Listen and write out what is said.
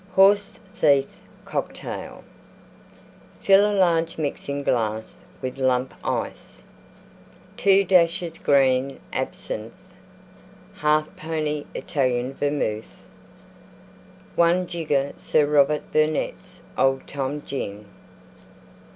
HORSE THIEF COCKTAIL Fill a large Mixing glass with Lump Ice. 2 dashes green Absinthe. 1/2 pony Italian Vermouth. 1 jigger Sir Robert Burnette's Old Tom Gin.